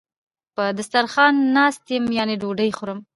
په دسترخان ناست یم یعنی ډوډی خورم